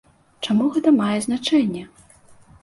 Чаму гэта мае значэнне?